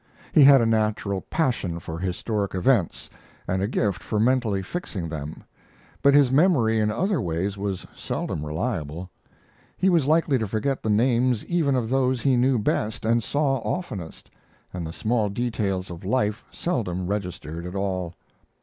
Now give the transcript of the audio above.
He had a natural passion for historic events and a gift for mentally fixing them, but his memory in other ways was seldom reliable. He was likely to forget the names even of those he knew best and saw oftenest, and the small details of life seldom registered at all.